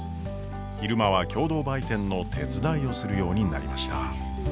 昼間は共同売店の手伝いをするようになりました。